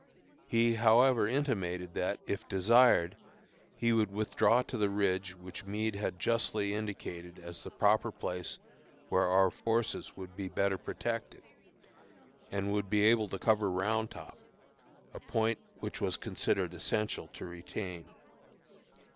He, however, intimated that, if desired, he would withdraw to the ridge which Meade had justly indicated as the proper place where our forces would be better protected, and would be able to cover Round Top, a point which it was considered essential to retain.